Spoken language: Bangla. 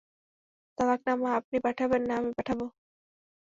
তালাকনামা আপনি পাঠাবেন না আমি পাঠাবো?